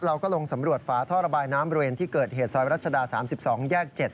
ลงสำรวจฝาท่อระบายน้ำบริเวณที่เกิดเหตุซอยรัชดา๓๒แยก๗